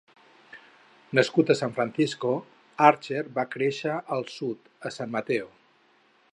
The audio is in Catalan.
Nascut a San Francisco, Archer va créixer al sud, a San Mateo.